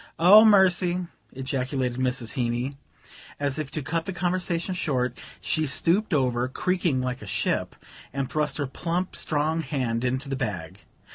"Oh, mercy," ejaculated Mrs. Heeny; and as if to cut the conversation short she stooped over, creaking like a ship, and thrust her plump strong hand into the bag.